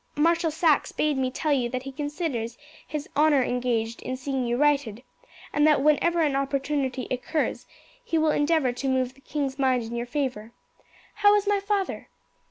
Marshal Saxe bade me tell you that he considers his honour engaged in seeing you righted, and that whenever an opportunity occurs he will endeavour to move the king's mind in your favour. How is my father?"